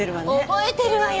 覚えてるわよ！